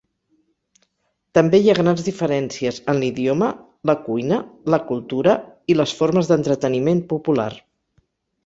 També hi ha grans diferències en l'idioma, la cuina, la cultura i les formes d'entreteniment popular.